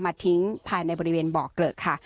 ทิ้งภายในบริเวณบ่อเกลอะค่ะ